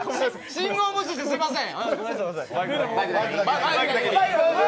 信号無視してすみません。